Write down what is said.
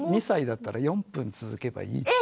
２歳だったら４分続けばいい。